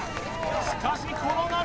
しかしこの波